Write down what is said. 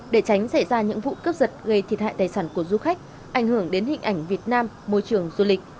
để tránh xảy ra những vụ cướp giật gây thiệt hại tài sản của du khách ảnh hưởng đến hình ảnh việt nam môi trường du lịch